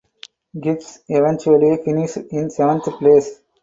Hibs eventually finished in seventh place.